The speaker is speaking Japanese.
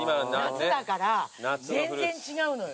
夏だから全然違うのよ。